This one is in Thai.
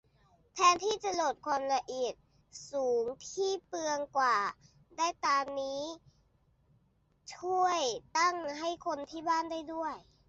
แทนที่จะโหลดความละเอียดสูงที่เปลืองกว่า ได้ตามนี้ ช่วยตั้งให้คนที่บ้านได้ด้วย